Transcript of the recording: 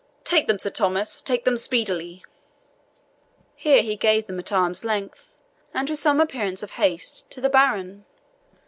Take them, Sir Thomas take them speedily!" Here he gave them at arm's length, and with some appearance of haste, to the baron.